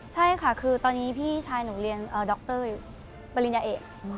ใช่ค่ะคือตอนนี้พี่ชายหนูเรียนดรปริญญาเอก